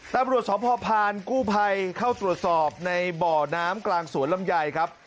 ตามบริวสอบพ่อพานกู้ภัยเข้าตรวจสอบในบ่อน้ำกลางสวนลำใหญ่ครับ